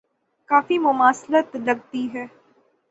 کافی مماثلت لگتی ہے۔